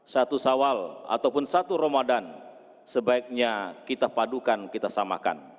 satu sawal ataupun satu ramadan sebaiknya kita padukan kita samakan